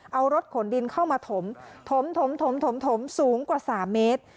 เอารถขนดินเข้ามาถมถมสูงกว่า๓เมตร